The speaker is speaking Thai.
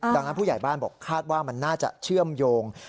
ดังนั้นผู้ใหญ่บ้านบอกคาดว่ามันน่าจะเชื่อมโยง